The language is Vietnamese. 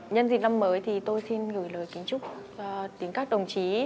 nhân dịp năm mới thì tôi xin gửi lời kính chúc đến các đồng chí